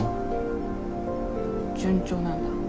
順調なんだ。